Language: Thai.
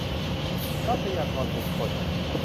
ทรัพยากรบุคคล